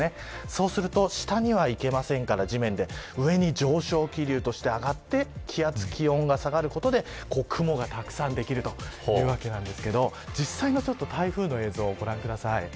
そうすると下には行けませんから地面で上に上昇気流として上がって気圧、気温が下がることで雲がたくさんできるというわけなんですけど実際の台風の映像をご覧ください。